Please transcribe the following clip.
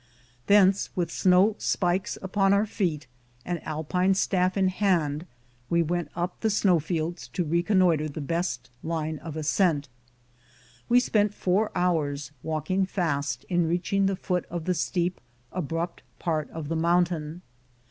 Thence, with snow spikes upon our feet and Alpine staff in hand, we went up the snow fields to reconnoiter the best line of ascent. We spent four hours, walking fast, in reaching the foot of the steep, abrupt part of the mountain.